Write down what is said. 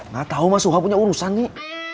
gak tau mas suha punya urusan nih